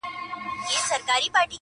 د يوه يې سل لكۍ وې يو يې سر وو!.